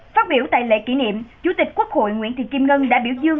phát biểu tại lễ kỷ niệm chủ tịch quốc hội nguyễn thị kim ngân đã biểu dương